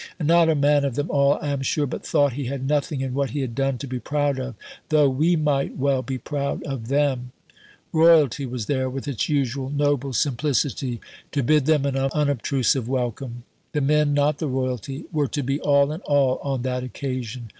And not a man of them all, I am sure, but thought he had nothing in what he had done to be proud of; tho' we might well be proud of them. Royalty was there with its usual noble simplicity to bid them an unobtrusive welcome. The men, not the Royalty, were to be all in all on that occasion.